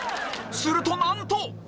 するとなんと